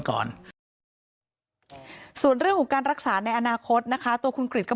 ก่อนส่วนเรื่องของการรักษาในอนาคตนะคะตัวคุณกริจก็